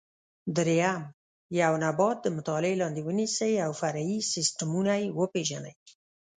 درېیم: یو نبات د مطالعې لاندې ونیسئ او فرعي سیسټمونه یې وپېژنئ.